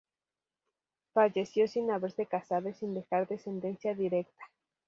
Falleció sin haberse casado y sin dejar descendencia directa.